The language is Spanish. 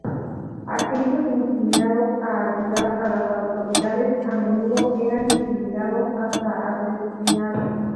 Aquellos inclinados a ayudar a las autoridades a menudo eran intimidados, hasta asesinados.